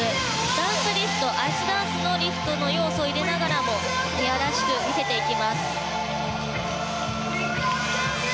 ダンスリフト、アイスダンスのリフトの要素を入れながらもペアらしく、見せていきます。